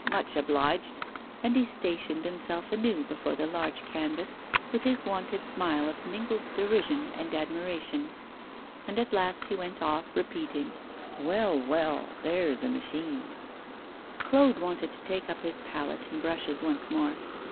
Much obliged.' And he stationed himself anew before the large canvas, with his wonted smile of mingled derision and admiration. And at last he went off, repeating, 'Well, well, there's a machine.' Claude wanted to take up his palette and brushes once more.